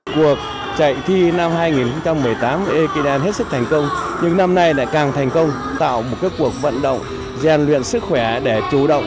cuộc chạy thi năm hai nghìn một mươi tám của ekidam hết sức thành công nhưng năm nay lại càng thành công tạo một cuộc vận động gian luyện sức khỏe để chủ động